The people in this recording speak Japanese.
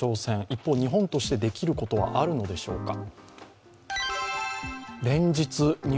一方、日本としてできることはあるのでしょうか。